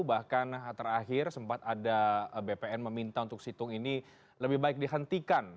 bahkan terakhir sempat ada bpn meminta untuk situng ini lebih baik dihentikan